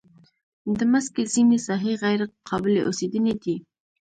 د مځکې ځینې ساحې غیر قابلې اوسېدنې دي.